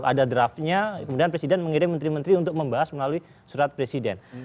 ada draftnya kemudian presiden mengirim menteri menteri untuk membahas melalui surat presiden